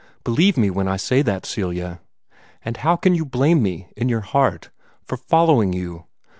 Believe me when I say that, Celia! And how can you blame me, in your heart, for following you?